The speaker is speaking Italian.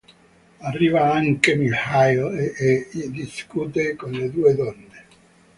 Arriva anche Mikhail e discute con le due donne.